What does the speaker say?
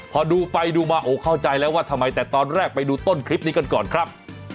พอดูไปดูมาโอ้เข้าใจแล้วว่าทำไมแต่ตอนแรกไปดูต้นคลิปนี้กันก่อนครับ